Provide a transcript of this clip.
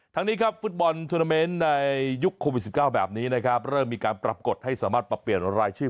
นี้ครับฟุตบอลทวนาเมนต์ในยุคโควิด๑๙แบบนี้นะครับเริ่มมีการปรับกฎให้สามารถปรับเปลี่ยนรายชื่อ